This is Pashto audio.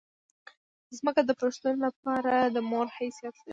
ځمکه د پښتون لپاره د مور حیثیت لري.